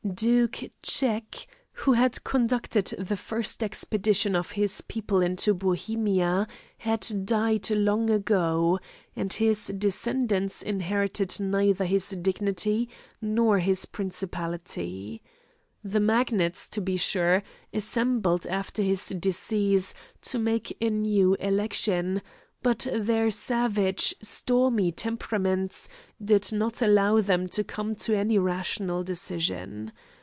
Duke Czech, who had conducted the first expedition of his people into Bohemia, had died long ago, and his descendants inherited neither his dignity nor his principality. The Magnates, to be sure, assembled after his decease, to make a new election, but their savage, stormy temperaments did not allow them to come to any rational decision.